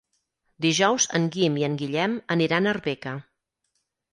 Dijous en Guim i en Guillem aniran a Arbeca.